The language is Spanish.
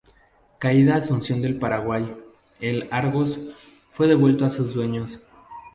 Caída Asunción del Paraguay, el "Argos" fue devuelto a sus dueños.